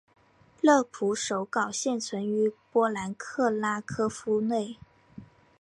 乐谱手稿现存于波兰克拉科夫内。